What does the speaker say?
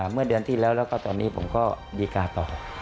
เมื่อเดือนที่แล้วแล้วก็ตอนนี้ผมก็ดีการ์ต่อ